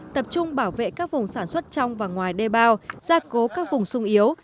tập trung bảo vệ các vùng sản xuất trong và ngoài đê bao gia cố các vùng sung yếu